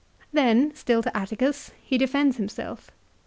Then, still to Atticus, he defends himself.